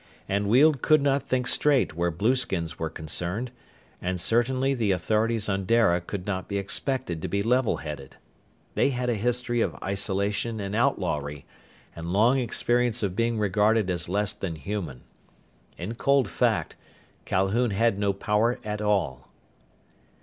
And Weald could not think straight where blueskins were concerned, and certainly the authorities on Dara could not be expected to be levelheaded. They had a history of isolation and outlawry, and long experience of being regarded as less than human. In cold fact, Calhoun had no power at all.